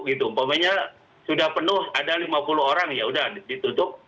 umpamanya sudah penuh ada lima puluh orang ya sudah ditutup